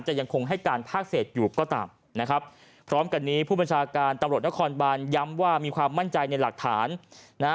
แต่ยังคงให้การพลาดเศษอยู่ก็ตามพร้อมกันนี้ผู้บรรยาการตำรวจนครบานย้ำว่ามีความมั่นใจในหลักฐาน